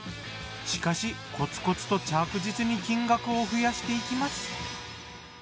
しかしコツコツと着実に金額を増やしていきます。